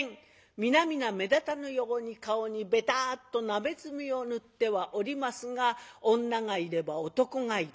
皆々目立たぬように顔にべたっと鍋墨を塗ってはおりますが女がいれば男がいる。